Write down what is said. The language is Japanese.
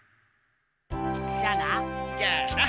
じゃあな。